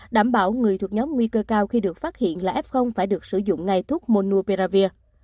đảm bảo người thuộc nhóm nguy cơ cao khi được phát hiện là f phải được sử dụng ngay thuốc mono pearavir